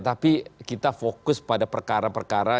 tapi kita fokus pada perkara perkara